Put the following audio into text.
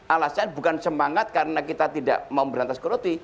alasan bukan semangat karena kita tidak mau berantas karoti